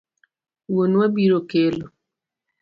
Wuonwa biro kelo.